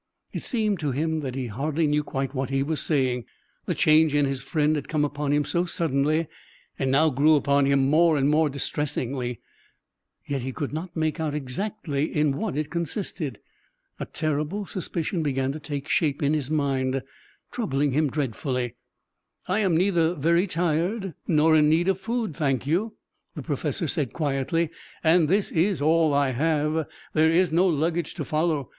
It seemed to him he hardly knew quite what he was saying; the change in his friend had come upon him so suddenly and now grew upon him more and more distressingly. Yet he could not make out exactly in what it consisted. A terrible suspicion began to take shape in his mind, troubling him dreadfully. "I am neither very tired, nor in need of food, thank you," the professor said quietly. "And this is all I have. There is no luggage to follow.